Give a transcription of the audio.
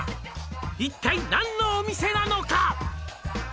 「一体何のお店なのか？」